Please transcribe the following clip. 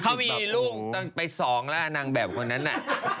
เข้าอีลุไปสองและนางแบบคนนั้นน่ะ